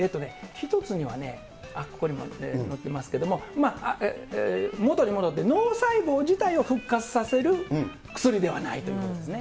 一つには、あっ、ここにも載っていますけれども、元に戻って、脳細胞自体を復活させる薬ではないということですね。